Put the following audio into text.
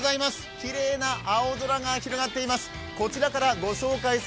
きれいな青空が広がっています。